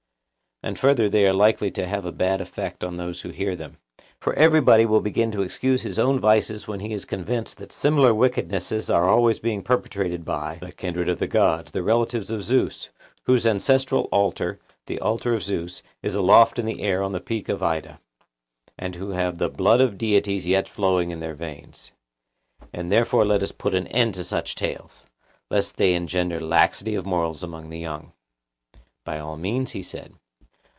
And further they are likely to have a bad effect on those who hear them; for everybody will begin to excuse his own vices when he is convinced that similar wickednesses are always being perpetrated by— 'The kindred of the gods, the relatives of Zeus, whose ancestral altar, the altar of Zeus, is aloft in air on the peak of Ida,' and who have 'the blood of deities yet flowing in their veins.' And therefore let us put an end to such tales, lest they engender laxity of morals among the young. By all means, he replied.